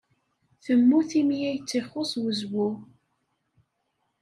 Temmut imi ay tt-ixuṣṣ wezwu.